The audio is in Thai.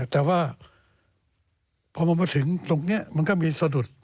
แต่ว่าพอมันมาถึงตรงนี้มันก็มีสะดุด